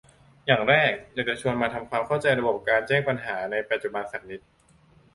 อย่างแรกอยากจะชวนมาทำความเข้าใจระบบการแจ้งปัญหาในปัจจุบันสักนิด